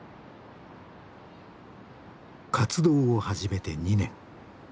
活動を始めて２年。